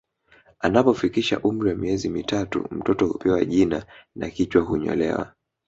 Anapofikisha umri wa miezi mitatu mtoto hupewa jina na kichwa hunyolewa